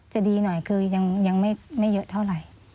จะดีหน่อยคือยังไม่เยอะเท่าไหร่